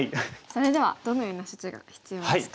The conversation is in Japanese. それではどのような処置が必要ですか？